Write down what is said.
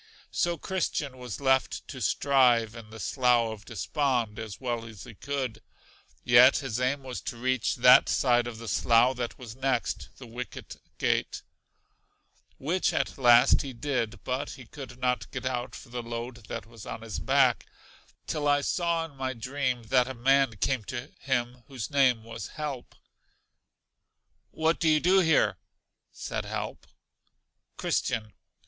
So Christian was left to strive in the Slough of Despond as well as he could; yet his aim was to reach that side of the slough that was next The Wicket Gate, which at last he did, but he could not get out for the load that was on his back; till I saw in my dream that a man came to him whose name was Help. What do you do here? said Help. Christian.